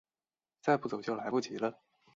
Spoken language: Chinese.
再不走就来不及了